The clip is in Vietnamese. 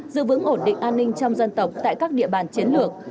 giữ vững ổn định an ninh trong dân tộc tại các địa bàn chiến lược